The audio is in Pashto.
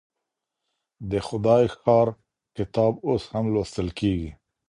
د خدای ښار کتاب اوس هم لوستل کيږي.